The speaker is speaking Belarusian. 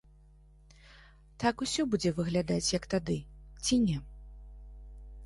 Так усё будзе выглядаць, як тады, ці не?